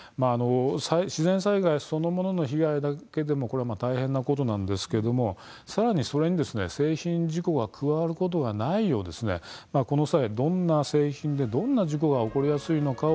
自然災害そのものの被害だけでも大変なことなんですけれどもさらに、それに製品事故が加わることがないようこの際どんな製品でどんな事故が起こりやすいのかを